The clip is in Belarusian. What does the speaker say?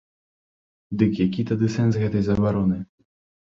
Дык які тады сэнс гэтай забароны?